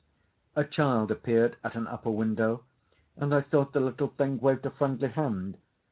A child appeared at an upper window, and I thought the little thing waved a friendly hand.